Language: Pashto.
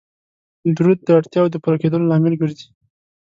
درود د اړتیاو د پوره کیدلو لامل ګرځي